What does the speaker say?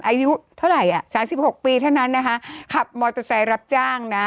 อายุเท่าไหร่อ่ะสามสิบหกปีเท่านั้นนะคะขับมอเตอร์ไซค์รับจ้างนะ